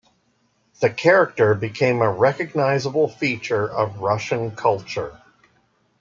The character became a recognizable feature of Russian culture.